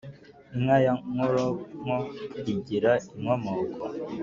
Inka ya Nkoronko igira inkomoko.